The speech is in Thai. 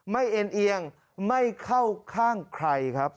เอ็นเอียงไม่เข้าข้างใครครับ